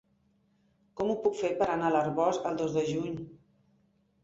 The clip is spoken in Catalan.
Com ho puc fer per anar a l'Arboç el dos de juny?